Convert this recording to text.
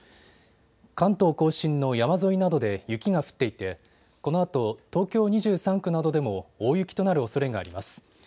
関東甲信の山沿いなどで雪が降っていてこのあと東京２３区などでも大雪となるおそれがあります。